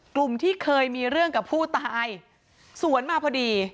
กลุ่มที่เคยมีเรื่องกับผู้ตายสวนมาพอดี